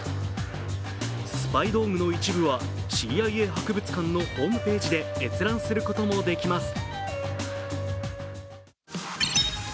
スパイ道具の一部はＣＩＡ博物館のホームページで閲覧することもできます。